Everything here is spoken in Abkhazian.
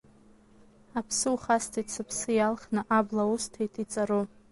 Аԥсы ухасҵеит, сыԥсы иалхны, абла усҭеит иҵару.